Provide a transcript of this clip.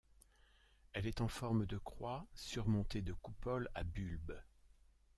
Elle est en forme de croix surmontée de coupoles à bulbe.